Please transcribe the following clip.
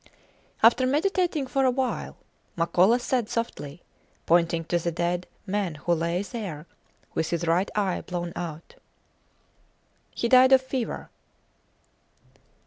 After meditating for a while, Makola said softly, pointing at the dead man who lay there with his right eye blown out He died of fever.